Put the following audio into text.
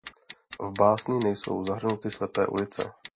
V básni nejsou zahrnuty slepé ulice.